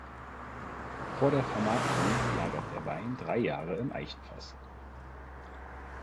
Vor der Vermarktung lagert der Wein drei Jahre im Eichenfass.